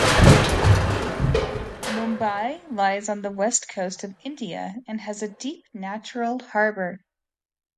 Mumbai lies on the west coast of India and has a deep natural harbour.